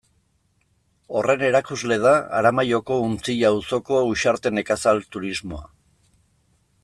Horren erakusle da Aramaioko Untzilla auzoko Uxarte Nekazal Turismoa.